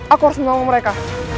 aku harus menanggung mereka